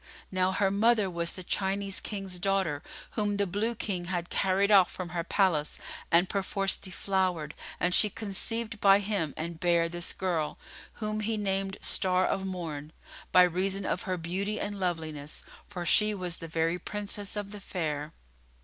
Now her mother was the Chinese King's daughter whom the Blue King had carried off from her palace and perforce deflowered, and she conceived by him and bare this girl, whom he named Star o' Morn, by reason of her beauty and loveliness; for she was the very Princess of the Fair.